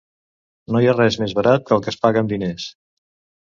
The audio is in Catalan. No hi ha res més barat que el que es paga amb diners.